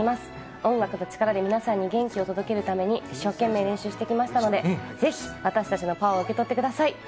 音楽の力で皆さんに元気を届けるために、一生懸命練習してきましたので、ぜひ、私たちのパワーを受け取ってください。